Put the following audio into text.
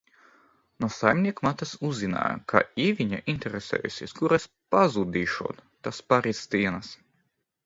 "No saimniekmātes uzzināju, ka Ieviņa interesējusies kur es "pazudīšot" tās pāris dienas."